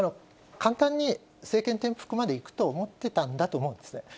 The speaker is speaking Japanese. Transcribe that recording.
簡単に政権転覆までいくと思ってたんだと思うんですね。